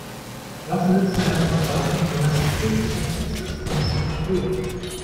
Was nützt einem Transparenz, wenn das System zu komplex ist, um es zu verstehen?